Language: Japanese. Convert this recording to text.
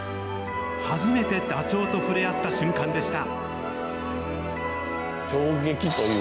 初めてダチョウと触れ合った瞬間でした。